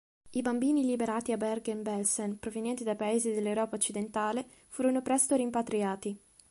I bambini liberati a Bergen-Belsen provenienti dai paesi dell'Europa occidentale furono presto rimpatriati.